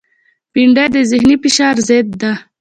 بېنډۍ د ذهنی فشار ضد ده